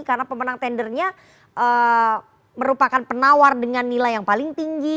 karena pemenang tendernya merupakan penawar dengan nilai yang paling tinggi